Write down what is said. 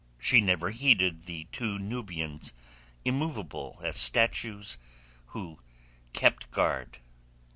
She never heeded the two Nubians immovable as statues who kept guard.